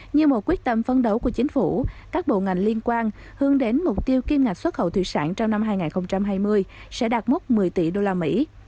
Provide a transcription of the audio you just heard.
như một quyết tâm phấn đấu của chính phủ các bộ ngành liên quan hướng đến mục tiêu kim ngạch xuất khẩu thủy sản trong năm hai nghìn hai mươi sẽ đạt mức một mươi tỷ usd